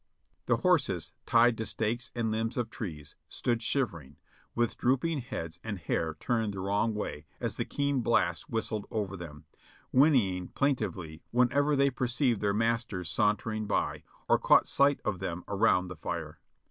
The horses, tied to stakes and limbs of trees, stood shivering, with drooping heads and hair turned the wrong way as the keen blast whistled over them, whinnying plaintively whenever they perceived their masters sauntering by, or caught sight of them around the fire.